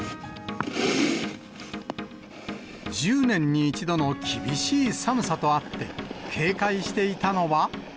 １０年に１度の厳しい寒さとあって、警戒していたのは。